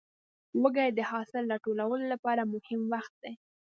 وږی د حاصل راټولو لپاره مهم وخت دی.